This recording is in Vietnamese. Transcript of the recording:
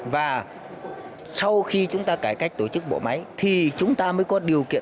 và sau khi chúng ta cải cách tổ chức bộ máy thì chúng ta mới có điều kiện